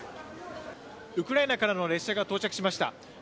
ウクライナからの列車が到着しました。